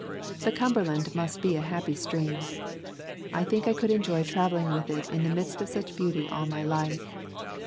The Cumberland must be a happy stream. I think I could enjoy traveling with it in the midst of such beauty all my life.